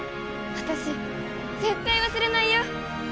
私絶対忘れないよ